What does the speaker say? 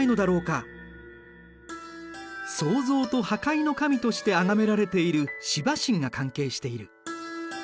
創造と破壊の神としてあがめられているシバ神が関係している。